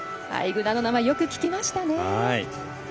アイグナーの名前よく聞きましたね。